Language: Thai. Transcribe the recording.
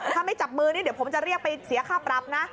ถ้าไม่จับมือนี่เดี๋ยวผมจะเรียกไปเสียค่าปรับนะ